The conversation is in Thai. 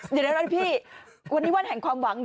เดี๋ยวนะพี่วันนี้วันแห่งความหวัง